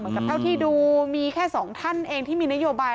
เท่าที่ดูมีแค่สองท่านเองที่มีนโยบาย